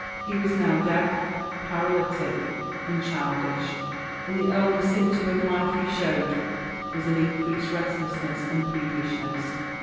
He was now deaf, paralytic, and childish, and the only symptom of life he showed was an increased restlessness and peevishness.